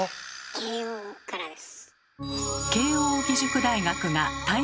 慶應からです。